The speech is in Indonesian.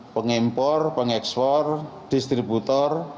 pengimpor pengekspor distributor